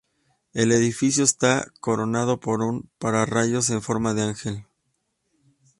El edificio está coronado por un pararrayos en forma de ángel.